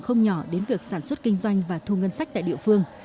không nhỏ đến việc sản xuất kinh doanh và thu ngân sách tại địa phương